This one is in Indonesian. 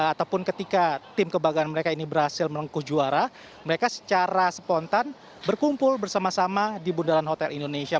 ataupun ketika tim kebanggaan mereka ini berhasil menengkuh juara mereka secara spontan berkumpul bersama sama di bundaran hotel indonesia